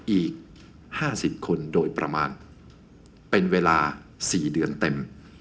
อีก๕๐คนโดยประมาณเป็นเวลา๔เดือนเต็ม